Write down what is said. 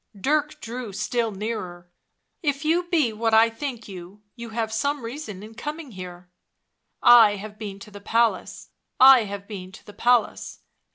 Dirk drew still nearer. " If you be what I think you, you have some reason in coming here." " I have been to the palace, I have been to the palace.